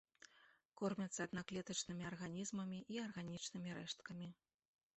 Кормяцца аднаклетачнымі арганізмамі і арганічнымі рэшткамі.